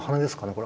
これ。